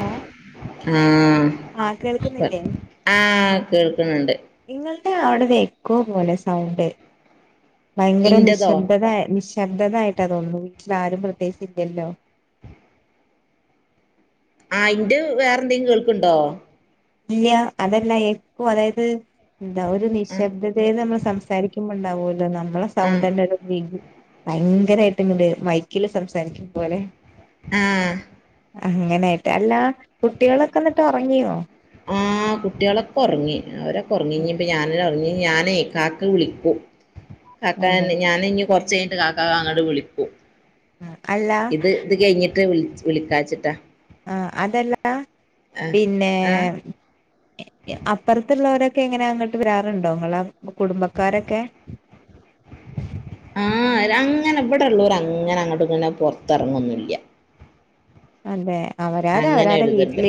Hello ആഹ് ആ കേൾക്കുന്നില്ലേ ആഹ് കേൾക്കുന്നുണ്ട് നിങ്ങളുടെ അവിടന്ന് എക്കോ പോലെ സൗണ്ട് ഭയങ്കര ഇന്റതോ നിശബ്ദത നിശബ്ദതായിട്ട തോന്നുന്നു വീട്ടിൽ ആരും പ്രത്യേകിച്ച് ഇല്ലല്ലോ ആ അയിന്റെ വേറെന്തെങ്കിലു കേൾക്ക്ണ്ടോ ഇല്ല അതല്ല എകൊ അതായത് എന്താ ഒരു ആഹ് നിശബ്ദതയ നമ്മൾ സംസാരിക്കുമ്പോ ഉണ്ടാവല്ലോ നമ്മളെ ആഹ് സൗണ്ടന്നെ ഒര് ബിഗ് ഭയങ്കരായിട്ട് ഇങ്ങട് മൈക്കില് സംസാരിക്കുന്ന പോലെ ആഹ് അങ്ങനായിട്ട് അല്ല കുട്ടികളൊക്കെ എന്നിട്ട് ഒറങ്ങിയോ ആ കുട്ടികളൊക്കെ ഒറങ്ങി അവരെ ഒറങ്ങി ഇനി ഇപ്പോ ഞാന ഒറങ്ങി ഞാനേ കാക്ക വിളിക്കും കാക്കെ അതെ ഞാന് ഇനി കുറച്ച് കഴിഞ്ഞട്ട് കാക്ക അങ്ങോട്ട് വിളിക്കു ആ, അല്ല ഇത് ഇത് കഴിഞ്ഞിട്ട് വി വിളിക്കാച്ചിട്ടാ ആഹ് അതല്ല ആഹ് പിന്നെ ആഹ് അപ്പുറത്തുള്ളവരൊക്കെ എങ്ങനെ അങ്ങോട്ട് വരാറുണ്ടോ നിങ്ങള കുടുംബക്കാരൊക്കെ ഉ ആ അവരഅങ്ങനെ ഇവിടെ ഉള്ളവര് അങ്ങനെ അങ്ങോട്ടും ഇങ്ങനെ പുറത്തിറങ്ങൊന്നില്ല്യ അതെ അവര് അങ്ങനെ എഴുതുണ്ട്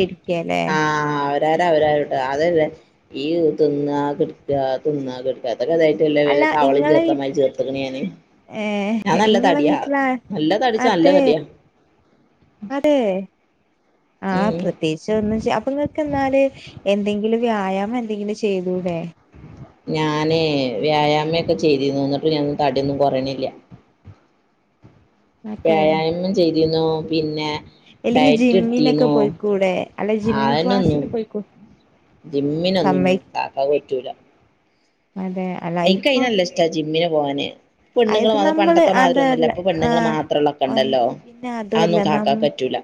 ആഹ് അവര്ടെ അവരൊര്ട്ടത അതല്ലേ ഈ തിന്ന് ആ കാ തുന്ന കെടക്ക അതൊക്കെ [unintelligible] ഇതായിട്ട് അല്ല എല്ല താവളയും ഇങ്ങളെ വീ ചേർത്തമായി ചേർക്ക [unintelligible] ഞാൻ ഏഹ് നല്ല ഇങ്ങളെ തടിയാ. നല്ല തടിച്ചാ, നല്ല തടിയാ. അതേ. ആഹ് ഉം പ്രത്യേകിച്ച് ഒന്നും ചെ അപ്പൊ നിക്ക് എന്നാല്, എന്തെങ്കിലും വ്യായാമം എന്തെങ്കിലും ചെയ്തൂടെ? ഞാന് വ്യായാമെക്കെ ചെയ്തിന്ന്. എന്നിട്ട് [unintelligible] തടിയൊന്നും കുറയണില്ല. അതെ വ്യായാമം ചെയ്തിന്നു. പിന്നെ, അല്ലെങ്കി ഡയറ്റ് ജിമ്മിനൊക്കെ എടുത്തിരുന്നു പോയിക്കൂടെ. അല്ലെ ജിം അതിനൊന്നും ക്ലാസ്സിന് പോയിക്കൂ. ജിമ്മിനൊന്നും സമ്മയ് കാക്ക പറ്റൂല. അതേ. യ്ക്ക് നല്ല ഇഷ്ടാ. ജിമ്മിനെ പോവാന്. പെണ്ണുങ്ങള് അത് നമ്മള് പണ്ടത്തെ മാതിരി ഒന്നുമല്ല. അതല്ല ഇപ്പ പെണ്ണുങ്ങള് ആഹ് മാത്രമള്ള ഒക്കെ ഒ ഉണ്ടല്ലോ. പിന്നെ അതൊന്നും കാക്ക ക്ക് പറ്റൂല.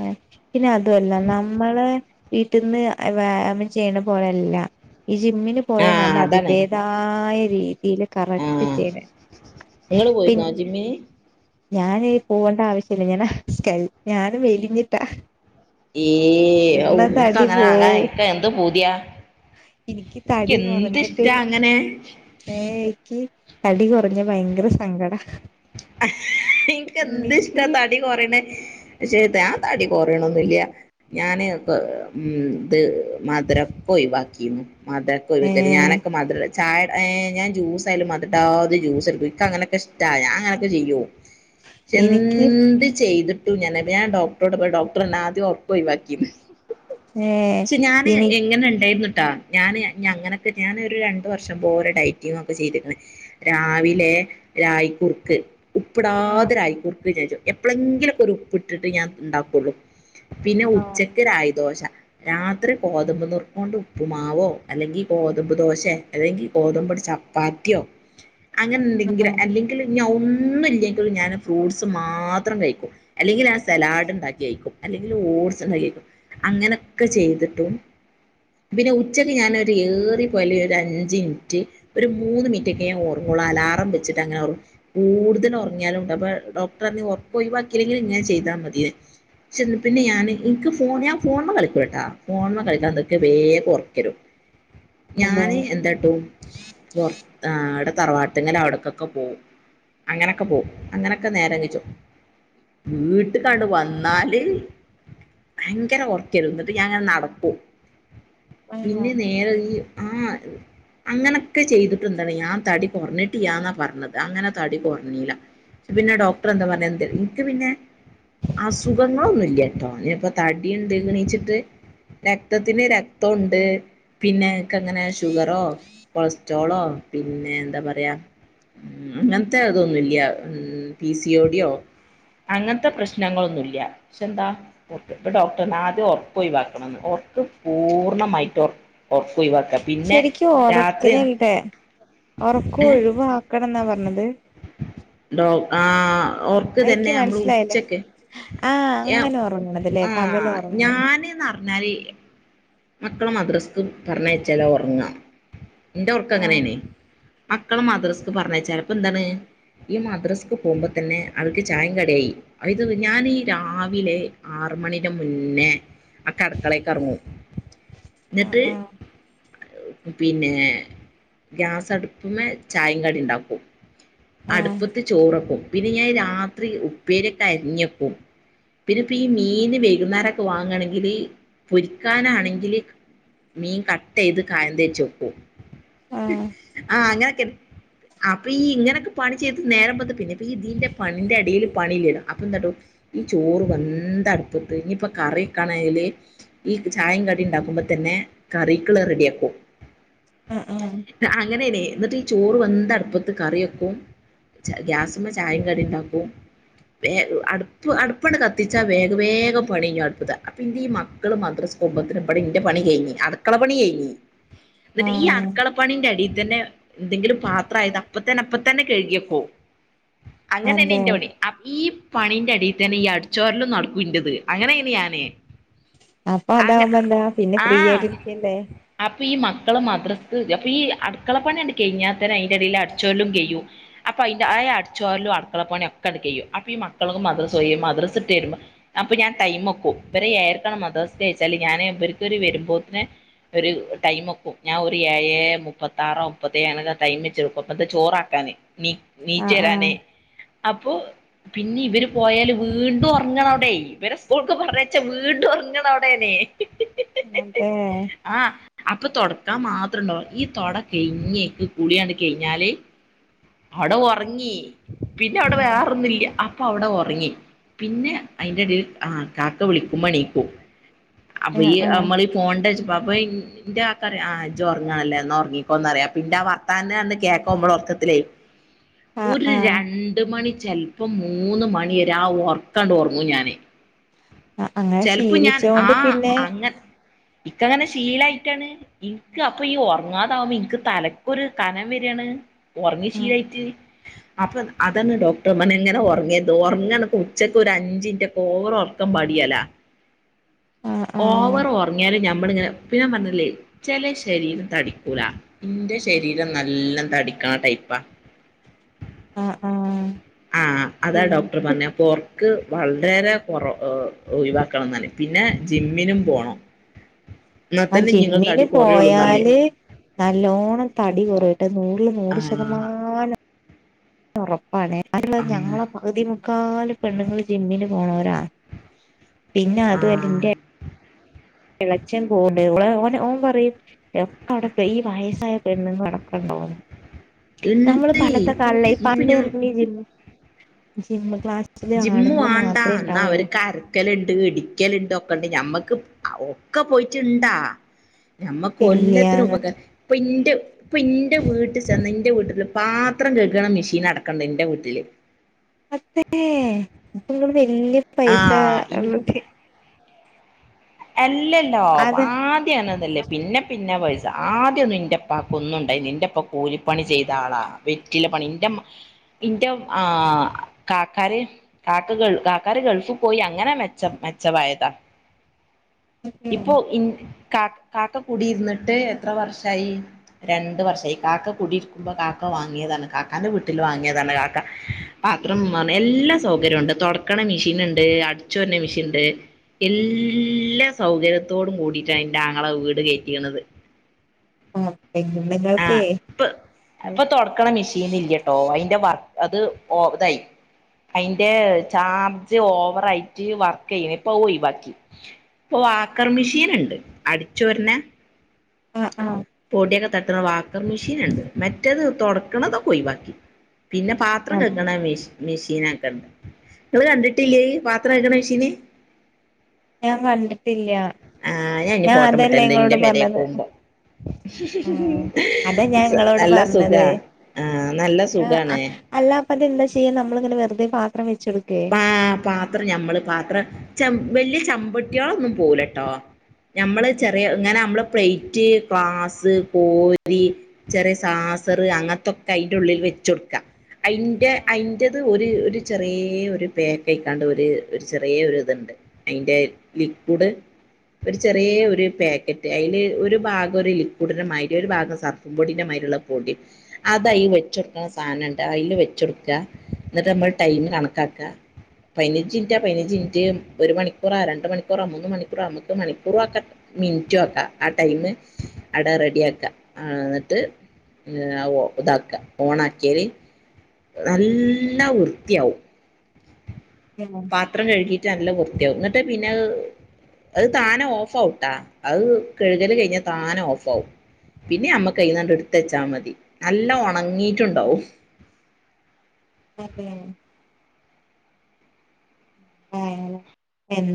ആ. പിന്നെ അതുമല്ല നമ്മളെ വീട്ടിൽന്ന് വ്യായാമം ചെയ്യണ പോലെയല്ല. ഈ ജിമ്മിന് പോയ ആഹ് നല്ല അതാണ് അതിന്റെതായ രീതിയില്, കറക്റ്റ് ആഹ് ചെയ്യണെ. നിങ്ങള് പോയിരുന്നോ പിന്നെ ജിമ്മിന് ഞാന് പോവണ്ട ആവശ്യില്ല. ഞാനാ സ്കെൽ ഞാന് മെലിഞ്ഞിട്ടാ. ഏയ് ഔ ഇള്ള ഇക്ക തടി അങ്ങനെ ആകാൻ പോവും ഇനിക് എന്ത് പൂതിയ. എനിക്ക് ക്ക് എന്ത് ഇഷ്ട്ടാ അങ്ങനെ. ഏ ഇക്ക് തടി കുറഞ്ഞ ഭയങ്കര സങ്കട. ഇൻക്ക് എന്ത് ഇഷ്ടാ തടി കൊറയണേ. പക്ഷെ ഞാൻ തടി കൊറയൊണൊന്നില്ല. ഞാന് ഉം ഇത്, മത്രൊക്കെ ഒഴിവാക്കിന്നു. മധരക്കൊ ഒഴിക്ക ഏഹ് ഞാനൊക്കെ മത് ര, ചായ ഞാൻ ജൂസായാലും മത്ര്ടാതെ ജ്യൂസടുക്കും. ഇക്ക അങ്ങനെയൊക്കെ ഇഷ്ട്ടാ. ഞാൻ അങ്ങനൊക്കെ ചെയ്യു. എനിക്ക് എന്ത് ചെയ്തിട്ടു ഞാ ഞ ഞാൻ ഡോക്ടറോടെ പോയ്. ഡോക്ടർ എന്ന ആദ്യം ഉറക്ക് ഒഴിവാക്കിന്. ഏഹ് ക്ഷെ ഞാന് എനി ഇങ്ങനെ ഉണ്ടായിര്ന്ന്ട്ടാ. ഞാന് ഞങ്ങനൊക്കെ ഞാനൊരു രണ്ടു വർഷം പോറേ ഡയറ്റിങ് ഒക്കെ ചെയ്ത്ക്ണ്. രാവിലെ രായ്ക്കുർക്ക്. ആഹ് ഉപ്ടാതെരായി കുർക് [unintelligible] എപ്പോഴെങ്കിലും ഒക്കെ ഒരു ഉപ്പിട്ട് ട്ട് ഞാൻ ഉണ്ടാക്കുള്ളു. പിന്നെ ആഹ് ഉച്ചക്ക് രായിദോശ. രാത്രി ഗോതമ്പ് നുറുക്കോണ്ട് ഉപ്പുമാവോ, അല്ലെങ്കിൽ ഗോതമ്പ് ദോശെ, അല്ലെങ്കിൽ ഗോതമ്പ്ടി ച പാത്തിയോ. [inaudible] അങ്ങനെ ഇണ്ടങ്കില് ആഹ് അല്ലെങ്കിൽ ഞ ഒന്നുംല്ലെങ്കിൽ ഞാൻ ഫ്രൂട്ട്സ് മാത്രം കഴിക്കും. അല്ലെങ്കിൽ ഞാൻ സലാഡ് ഉണ്ടാക്കി കഴിക്കും. അല്ലെങ്കിൽ ഓട്സ് ഉണ്ടാക്കി കഴിക്കും. അങ്ങനൊക്കെ ചെയ്ത്ട്ടും, പിന്നെ ഉച്ചക്ക് ഞാനൊരു ഏറി പോയല് ഒര അഞ്ച്ൻറ്റ്, ഒരു മൂന്ന് മിനിട്ട് ഒക്കെ ഞാൻ ഉറങ്ങോള്ളൂ. അലാറം വെച്ചിട്ട് അങ്ങനെ ഒ കൂടുതല ഉറങ്ങിയാലും ഉണ്ട്. അപ്പൊ ഡോക്ടർ പറഞ്ഞു ഒറക്ക് ഒയിവാകിലെങ്കിലും ഇങ്ങനെ ചെയ്താ മതിന്ന്. ഷേ പിന്നെ ഞാന് എനിക്ക് ഫോൺ ഞാൻ ഫോണ്മ കളിക്കൂട്ടാ. ഫോണ്മ കളിക്കാൻക്ക് വേകം ഒറക് വെരും. അതെ ഞാന് എന്താട്ടും, പുർത്ത അ ടെ തറവാട്ട്ങ്ങല അവിട്ക്കൊക്കെ പോവും. അങ്ങനൊക്കെ പോവും. അങ്ങനൊക്കെ നേരം കയ്ച്ചും. വീട്ടക്കങ്ങട് വന്ന ന്നാല് ഭയങ്കര ഒറകല് ന്നിട്ട്, ഞാന് ഇങ്ങനെ നടക്കും. ആഹ് പിന്നെ നേരെ ഈ. ആ അങ്ങനെയൊക്കെ ചെയ്തിട്ട്ന്താണ് ഞാൻ തടി കുറഞ്ഞിട്ടിയന്നാ പറഞ്ഞത്. അങ്ങനെ, തടി കൊർഞ്ഞീല. പിന്നെ ഡോക്ടർ എന്താ പറഞ്ഞെ എനിക്ക് പിന്നെ, അസുഖങ്ങളൊന്നു ഇല്ലാട്ടോ. ഇനിപ്പ തടിണ്ട് ഗണീച്ചിട്ട്. രക്തത്തിന് രക്തോണ്ട്. പിന്നെ ൻക് അങ്ങനെ ഷുഗറോ കൊളസ്ട്രോളോ പിന്നെ എന്താ പറയാ, ഉം അങ്ങനത്തെ അതൊന്നുല്ല. ഉം പി സി യോ ടി യോ. അങ്ങനത്തെ പ്രശ്നങ്ങളൊന്നുല്ല പക്ഷെ എന്താ. ഇപ്പ ഡോക്ടറ് പറഞ് ആദ്യം ഉറക്ക് ഒയി വാക്കണംന്ന് ഉറക്ക് പൂർണ്ണമായിട്ട് ഒ ഒറക് ഓയിവാക. ശരിക്കും ഉറക്കനല്ലേ ഉറക് ഏ ഒഴിവാക്കണം എന്നാ പറഞ്ഞത്. ഡോ ആഓർ അയിക്ക് തന്നെ നമ്മള് മനസ്സിലായില്ലേ ഉച്ചക്ക് ആഹ് യാ അങ്ങനെ ഒറങ്ങണത് ല്ലേ ആ പകല് ഒറങ്ങണത് ഞാന് ന്ന നറി. മക്കള മദ്രസ്ക് പറഞ്ഞ യച്ചാല ഉറങ്ങാ എന്റെ ഉർക് ആഹ് എങ്ങനെയ്ന്. മക്കള മദ്രസ്ക്ക് പറഞ്ഞച്ചാല് അപ്പ എന്താണ്. ഈ മദ്രസക്ക് പോകുമ്പോ തന്നെ അവൾക്ക് ചായിം കടിയായി. ഇത് ഞാൻ രാവിലെ ആറ് മണിടെ മുന്നേ ആ കട്ക്കളേക്ക് ഇറങ്ങു. എന്നിട്ട്. ആഹ് പിന്നെ ഗ്യാസടുപ്പ്മ ചായിം കടി ണ്ടാക്കും. ആഹ് അടുപ്പത്ത് ചോറക്കും പിന്നെ ഞാൻ രാത്രി ഉപ്പേരി ഒ ക്കെ അരിഞക്കും. പിന്നെ ഇപ്പ ഈ മീന് വൈകുന്നേരംക്കെ വാങ്ങയാണെങ്കിൽ പൊരിക്കാനാണെങ്കി മീൻ കട്ട് ചെയ്ത് കായ തേച്ചെക്കു ആഹ് ആഹ അങ്ങനൊക്കെ അപ്പൊ ഈ ഇങ്ങനെയൊക്കെ പണി ചെയ്ത് നേരംമ്പ പിന്നെപ്പ ഇതിന്റെ പണിന്റെറെടയിൽ പണില്ലേണം അപ്പൊ എന്താട്ടോ ഈ ചോറ് വന്ത അടുപ്പട്ട് ഇനിയിപ്പ കറിക്കാണെല് ഈ ചായം ക ണ്ടുമ്പോ തന്നെ കറിക റെഡിയ ആക്കും ആ ഉ അങ്ങനേനെ എന്നിട്ട് ഈ ചോറ് വന്ത അടുപ്പത്ത് കറി വെക്കും ഗ്യാസുമ ചായയും കട ഉണ്ടാക്കും വേ അടുപ്പ് അടുപ്പണ് കത്തിച്ചാ വേഗ വേഗം പണിഞ്ഞ അടുപ്പത് അപ്പൊ ഇ ഈ മ മദ്രസകെമ്പത്തി അപ്പട ഇന്റെ പണി കഴിഞ്ഞഞ് അടുക്കളപ്പണി കഴിഞ്ഞി ആഹ് എന്നിട്ട് ഈ ആഹ് അടുക്കളപ്പണിന്റെ അടിയിൽ തന്നെ എന്തെങ്കിലും പാത്രമായത് അപ്പ തന്നെ അപ്പ തന്നെ കഴുകിയക്ക അങ്ങനെന്നെ അതെ ഇന്റെറോണി ഈ പണിന്റെ അടിയിൽ തന്നെ ഈ അടിച്ചോരലും നടക്കും ഇന്റത് അങ്ങനെെ ഞാനേ അപ്പൊ അതാവുമ്പോ എന്താ പിന്നെ ആ ഫ്രീ ആയിട്ടിരിക്കണ്ടേ അപ്പൊ ഈ മക്കള് മദ്രസ് അപ്പൊ ഈ അടുക്കള പണിയുണ്ട് കഴിഞ്ഞാത്തരം അതിന്റെടയിൽ അടച്ചോല്ലലും കയ്യു അപ്പൊ അതി്ന്റെ ആ അടുറലും അടുക്കളപ്പണ ഒക്കെ അട ക ചെയ്യും അപ്പൊ ഈ മക്കൾക്ക് മ്രസ്യയും മദ്രസ ഇട്ട വരുമ്പോ അപ്പൊ ഞാൻ ടൈം ഒക്കും ഇവ ഏർക്കണം മതസ്ഥച്ചാല് ഞാാന് ഇവർക്കരു വരുമ്പോത്തിന് ഒരു ടൈം വക്കും ഞാൻ ഒരു ഏഴ് മുപ്പത്താറോ മുപ്പത്തേഴ ആാണ് ടൈം വെച്ചെടുക്കും അപ്പത് ചോറാക്കാന് നീ ആഹ് ആഹ് നീറ്റരാനേ അപ്പൊ പിന്നെ ഇവര് പോയാല് വീണ്ടും ഉറങ്ങണം അവിടെ ഇവരെ സ്കൂൾക്ക് പറഞ്ഞച്ച വീണ്ടും ഉറങ്ങണം അവിടെ അതേ ആഹ് അപ്പൊ തുടക്കാ മാത്രം ഉണ്ടോ ഈ തുട കഴഞ്ഞക്ക് കളിയണ്ട് കഴിഞ്ഞാാലേ അവിടെ ഉറങ്ങി പിന്നെ അവിടെ വേറൊന്നുംല്ല അപ്പ അവിടെ ഉറങ്ങി പിന്നെ അതിൻ്റെ ഇടയിൽ ആ കാക്ക വിളിക്കുമ്പോണീക്കും ആഹ് അയ ആഹ് ആഹ് അമ്മള പോണ്ട പാപ്പ എന്റെ ആക്കറ ആ ഇ ഉറങ്ങണല്ലേ എന്നന്ന് ഉറങ്ങിക്കോന്നറിയാം പിെ ആ വർത്താനന്ന് കേക്കുമ്പോൾ ഉറർക്കത്തിലേ ആഹ് ഒരു ആഹ് രണ്ട് മണി ചിലപ്പോം മൂന്ന് മണിരെ ആ ഓർക്കാണ്ട് ഓർമ്മും ഞാൻ ആ അങ്ങനെ ആ ശീലിച്ചുകൊണ്ട് പിന്നെ അങ്ങ ഇക്കങ്ങനെ ശീലായിട്ടാണ് ഇനിക്ക് അപ്പൊ ഈ ഉറങ്ങാതാവുമ്പോ ഇനിക്ക് തലക്കൊരു കനം വരയാണ് ഉറങ്ങി ആഹ് ശീലായിട്ട് അപ്പൊ അതന്നെ ഡോക്ടർമ്മന എങ്ങനെ ഉറങ്ങിയത് ഉറങ്ങ ഉച്ചക്ക് ഒരു അഞ്ചിറ്റ ഒക്കെ ഓർ കമ്പാടിയല്ല ആഹ് ഓവർ ഉറങ്ങിയാലും ഞമ്മളിങ്ങനെ പിന്നെ പറഞ്ഞില്ലേ ചെല ശരീരം തടിക്കൂല എന്റെ ശരീരം നല്ല തടിക്കാ ടൈപ്പാ. ആഹ് ആഹ് ആ അതാ ഡോക്ടർ എനിക്കും പറഞ്ഞ ഉറക്ക് വളരെ ഒഴിവാക്കണംന്ന് പിന്നെ ജിമ്മിനും പോണം എന്നാ ആ തന്നെ നിങ്ങൾ ജിമ്മിന് തടി കുറയുള്ളൂന്ന് പറഞ്ഞ് പോയാല് നല്ലോണ്ണം തടി കുറവട്ട് നൂറില് നൂറ് ആഹ് ശതമാനം ഉറപ്പാണ്. ആല്ല ആഹ് ഞങ്ങളെ പകുതി മുക്കാല് പെണ്ണുങ്ങൾ ജിമ്മിന് പോണവരാ. പിന്നെ അത് അല്ല ആഹ് ഇന്റെ ളച്ചൻ പോൂണ്ട് ഇള ഓന ഓൻ പറയും എക്ക അവിടെ ഈ വയസ്സായ ന്നടക്കണ്ടുന്നു നമ്മള് ഇണ്ട് പണ്ടത്തെ കാലല്ല ഇപ്പൊ പണ്ട് ഞാൻ ഇറങ്ങ ജിം ക്ലാസ്സില് ആളുങ്ങൾ മാത്രമേ ഉണ്ടാവുള്ളൂ മുക്കലുണ്ട് ഇടിക്കലുണ്ട് ഒക്കെണ്ട് ഞമ്മക്ക് ഒക്കെ പോയിട്ടുണ്ടാ നമ്മക്ക് ഇല്ല ഒല്ലാത്തിനും ഉപകാരം ഇപ്പൊ ഇന്റെ ഇപ്പം ഇന്റെ വീട്ടിൽ ചെന്ന ഇന്റെ വീട്ടില് പാത്രം കഴുകുന്ന മെഷീൻ അടക്കണ്ട് ഇന്റെ വീട്ടില് അതെ ഇപ്പ നിങ്ങള് വലിയ പൈസ ആഹ് ഉള്ള ടീ അല്ലല്ലോ അതെ ആദ്യണ അതല്ലേ പിന്നെ പിന്നെ പൈസ ആദ്യം ഇന്റപ്പാക്ക് ഒന്നുണ്ടായിരുന്നില്ല. ഇന്റപ്പാ കൂലിപ്പണി ചെയ്ത ആളാ. വെറ്റില പണി ഇന്റെ ഇന്റെ ആ കാക്കാര് കാക്കാര് ഗൾഫിൽ പോയി അങ്ങനെ മെച്ചമായാതാ. ഇപ്പൊ ഇ കാക്ക കൂടി ഇരുന്നിട്ട് എത്ര വർഷായി? രണ്ടു വർഷായി. കാക്ക കുടിയിരിക്കുമ്പോ കാക്ക വാങ്ങിയതാണ് കാക്കാന്റെ വീട്ടിൽ വാങ്ങിയതാണ് കാക്ക പാത്രം എല്ലാ സൗകര്യം ഉണ്ട് തുടക്കണ മെഷീനുണ്ട് അടിച്ചു വാരുന്ന മെഷീൻണ്ട് എല്ലാ സൗകര്യത്തോടും കൂടിട്ടാണ് എൻ്റെ ആങ്ങള വീട് കയറ്റിയിരുന്നത്. ഓ എ [unintelligible] ആ ഇപ്പ തുടക്കണ മിഷീൻ ഇല്ലട്ടോ. അയിന്റെ വർക്ക് അത് ഓ ഇതായി അയിന്റെ ചാർജ് ഓവറായിട്ട് വർക്ക് ചെയ്യുന്നില ഇപ്പൊ അത് ഒഴിവാക്കി ഇപ്പോ വാക്കർ മിഷീൻ ഉണ്ട് അടിച്ചോര്ന്ന. ആ ആ പൊടിയൊക്കെ തട്ടുന്ന വാക്കർ മിഷീൻ ഉണ്ട്. മറ്റേത് തൊടക്കണതൊക്കെ ഒഴിവാക്കി പിന്നെ പാത്രം ആഹ് കെക്ക്ണ മിഷീനൊക്കെണ്ട് നിങ്ങൾ കണ്ടിട്ടില്ലേ അഹ് പാത്രം കെക്ക്ണ മിഷീന് ഞാൻ കണ്ടിട്ടില്ല ആഹ് ഇനി ഞാൻ ഫോട്ടോ അതല്ലേ വിട്ടരണ്ട് ഇങ്ങളോട് ഇന്റെ പെരേക്ക് പറഞ്ഞത് പോകുമ്പോ ആഹ് അതാ ഞാൻ ഇങ്ങളോട് നല്ല പറഞ്ഞത് സുഖാ ആഹ് നല്ല അ സുഖാണ് അല്ല അപ്പൊ അത് എന്താ ചെയ്യാ നമ്മളിങ്ങനെ വെറുതെ പാത്രം വെച്ച് കൊടുക്കേ ആ പാത്രം ഞമ്മള് പാത്രം ച വലിയ ചമ്പട്ടികളൊന്നും പോവുലട്ടോ നമ്മള് ചെറിയ ഇങ്ങനെ നമ്മള് പ്ലേറ്റ് ക്ലാസ്സ് കോരി ചെറിയ സാസറ് അങ്ങത്തൊക്കെ അയിന്റെ ഉള്ളിൽ വെച്ച് കൊടുക്കാ അയിന്റത് ഒരു ഒരു ചെറിയൊരു ഒരു പേക്കായിക്കാണ്ടൊര് ഒരു ചെറിയ ഒരു ഇത്ണ്ട് അയിന്റെ ലിക്വുഡ് ഒരു ചെറിയ ഒരു പാക്ക അയില് ഒരു ഭാഗം ഒരു ലിക്വുഡിന്റെ മാതിരി ഒരു ഭാഗം സർഫും പൊടിൻ്റെ മാതിരി ഉള്ള പൊടി അതായി വെച്ച കൊടുക്കണ സാധനണ്ട് അതിൽ വെച്ച കൊടുക്ക എന്നിട്ട് നമ്മൾ ടൈം കണക്കാ ക്ക പതിനഞ്ച് മിനിറ്റ പതിനഞ്ച് മിനിറ്റ് ഒരു മണിക്കൂറാ രണ്ട് മണിക്കൂറാ മൂന്ന് മണിക്കൂറാ നമുക്ക് മണിക്കൂറ ആക്കാ മിനിറ്റും ആക്ക ആ ടൈമ് അട റെഡിയാക്ക എന്നിട്ട് ഇതാക്ക ഓണാക്കിയാല് നല്ല വൃത്തിയാവും [unintelligible] പാത്രം കഴുകിട്ട് നല്ല വൃത്തിയാവും എന്നിട്ട് പിന്നെ അഹ് അത് താനെ ഓഫാവുട്ടാ അത് കഴുകൽ കഴിഞ്ഞാ താനെ ഓഫാവും പിന്നെ ഞമ്മക്ക് അയിന്നാണ്ട് എടുത്തച്ചാ മതി നല്ല ഒണങ്ങിട്ടുണ്ടാവും [unintelligible] ഏഹ്